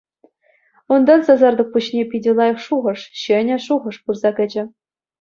Унтан сасартӑк пуҫне питӗ лайӑх шухӑш, ҫӗнӗ шухӑш пырса кӗчӗ.